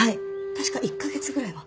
確か１カ月ぐらいは。